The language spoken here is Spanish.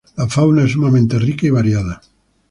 La fauna es sumamente rica y variada.